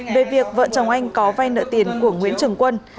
về việc vợ chồng anh có vay nợ tiền của nguyễn trường quân